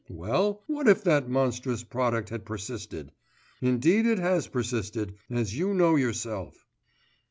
Well, what if that monstrous product had persisted? Indeed it has persisted, as you know yourself.